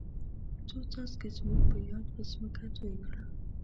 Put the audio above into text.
څو څاڅکي زموږ په یاد پر ځمکه توی کړه.